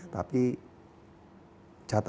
tapi catatan kita